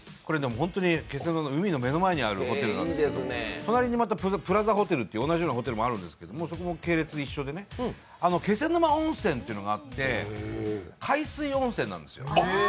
本当に気仙沼の海の目の前にある隣にプラザホテルという同じようなホテルがあるんですけど、そこも系列一緒で、気仙沼温泉というのがあって海水温泉なんですよ。